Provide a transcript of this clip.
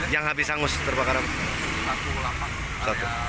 yang habis hangus terbakar